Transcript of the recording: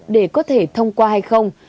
để có thể thông qua hay không